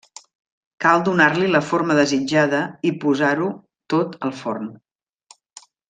Cal donar-li la forma desitjada i posar-ho tot al forn.